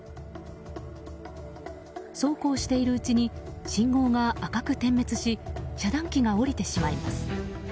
そうこうしているうちに信号が赤く点滅し遮断機が下りてしまいます。